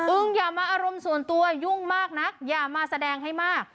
อย่ามาอารมณ์ส่วนตัวยุ่งมากนักอย่ามาแสดงให้มาก